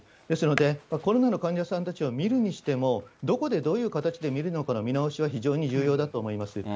ですので、コロナの患者さんたちを診るにしてもどこでどういう形で見るのかの見直しは重要だと思います。